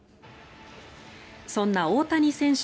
そんな大谷選手